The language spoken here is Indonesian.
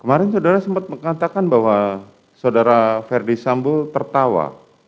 kemarin saudara sempat mengatakan bahwa saudara ferdi sambo tertawa